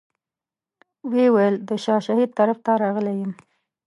ویې ویل د شاه شهید طرف ته راغلی یم.